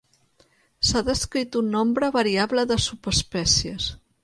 S'ha descrit un nombre variable de subespècies.